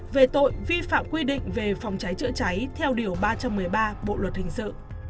về tội vi phạm quy định về phòng cháy chữa cháy theo điều ba trăm một mươi ba bộ luật hình sự